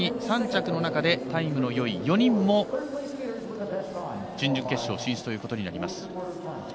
３着の中でタイムの良い４人も準々決勝進出ということになります。